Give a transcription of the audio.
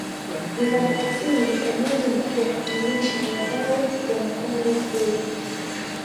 Mikakati hii ni pamoja na kuwakutanisha wadau wa mkongo huu